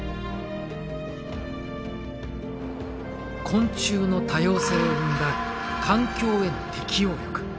昆虫の多様性を生んだ環境への適応力。